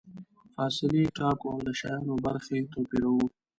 فاصلې ټاکو او د شیانو برخې توپیروو.